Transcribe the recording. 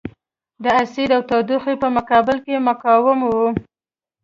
د اسید او تودوخې په مقابل کې مقاوم وي.